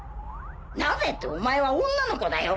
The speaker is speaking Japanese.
・なぜってお前は女の子だよ。